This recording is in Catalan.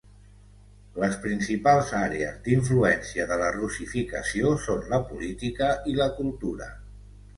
Les principals àrees d'influència de la russificació són la política i la cultura.